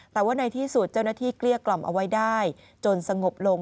แต่ว่าในที่สุดเจ้าหน้าที่เกลี้ยกล่อมเอาไว้ได้จนสงบลง